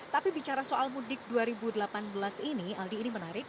tapi bicara soal mudik dua ribu delapan belas ini aldi ini menarik